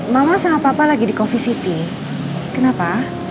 mama sama papa lagi di coffeesity kenapa